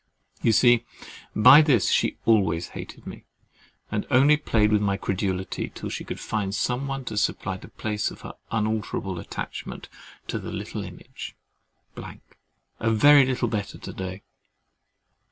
You see by this she always hated me, and only played with my credulity till she could find some one to supply the place of her unalterable attachment to THE LITTLE IMAGE. I am a little, a very little better to day.